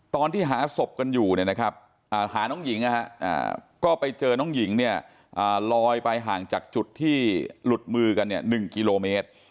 ตอนที่หาศพกันอยู่หาน้องหญิงก็ไปเจอน้องหญิงเนี่ยลอยไปห่างจากจุดที่หลุดมือกัน๑กิโลเมตร